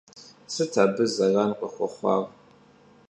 Sıt abı zeran khıxuexhuar?